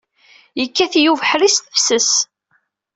Yekkat-iyi ubeḥri s tefses.